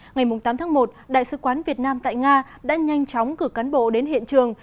ngày tám tháng một đại sứ quán việt nam tại nga đã nhanh chóng cử cán bộ đến hiện trường